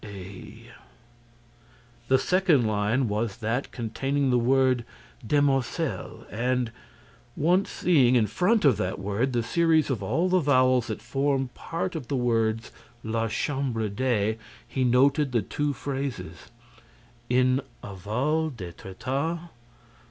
a .."_ The second line was that containing the word Demoiselles and, at once seeing, in front of that word, the series of all the vowels that form part of the words la chambre des, he noted the two phrases: _"En aval d'Étretat.